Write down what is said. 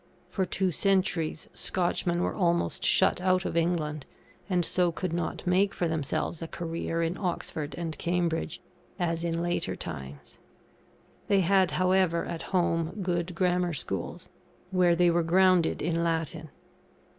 For two centuries, Scotchmen were almost shut out of England; and so could not make for themselves a career in Oxford and Cambridge, as in later times. They had, however, at home, good grammar schools, where they were grounded in Latin.